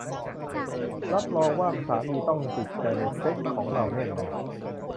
รับรองว่าสามีต้องติดใจในเซ็กส์ของเราแน่นอน